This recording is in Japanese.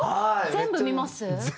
全部見ます。